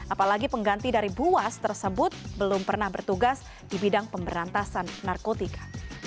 apalagi pengganti dari buas tersebut belum pernah bertugas di bidang pemberantasan narkotika